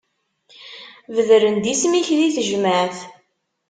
Bedren-d isem-ik di tejmaεt.